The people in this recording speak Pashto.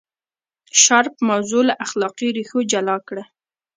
شارپ موضوع له اخلاقي ریښو جلا کړه.